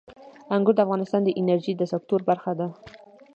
انګور د افغانستان د انرژۍ د سکتور برخه ده.